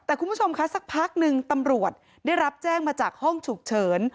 แต่คุณผู้ชมคะสักพักหนึ่งตำรวจได้รับแจ้งมาจากห้องฉุกเฉิน